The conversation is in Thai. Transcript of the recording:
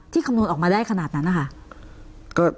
คำนวณออกมาได้ขนาดนั้นนะคะ